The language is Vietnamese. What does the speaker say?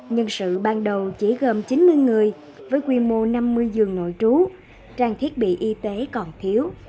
nhân sự ban đầu chỉ gồm chín mươi người với quy mô năm mươi giường nội trú trang thiết bị y tế còn thiếu